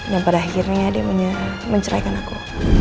dan pada akhirnya dia menceraikan aku